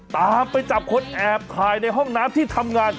ตามไปจับคนแอบถ่ายในห้องน้ำที่ทำงาน